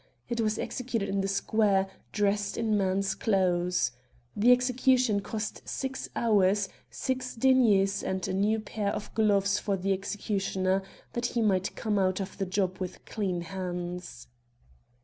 It was executed in the square, dressed in man's clothes. The execution cost six sous, six deniers, and a new pair of gloves for the executioner, that he might come out of the job with clean hands.